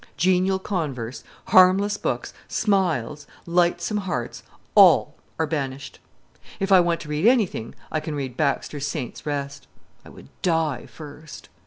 Genial converse, harmless books, smiles, lightsome hearts, all are banished. If I want to read anything, I can read Baxter's Saints' Rest. I would die first.